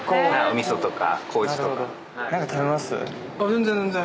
全然全然。